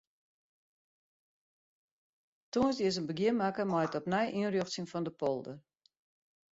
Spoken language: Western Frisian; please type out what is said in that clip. Tongersdei is in begjin makke mei it opnij ynrjochtsjen fan de polder.